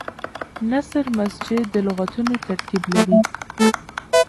نثر مسجع د لغتونو ترتیب لري.